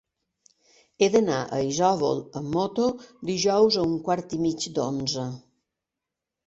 He d'anar a Isòvol amb moto dijous a un quart i mig d'onze.